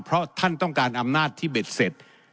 เพราะท่านต้องการอำนาจที่เบ็ดเสร็จ